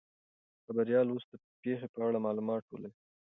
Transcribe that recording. خبریال اوس د پیښې په اړه معلومات ټولوي.